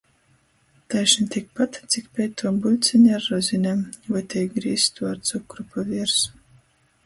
Taišni tikpat, cik peituo buļceņa ar rozinem voi tei grīztuo ar cukru pa viersu.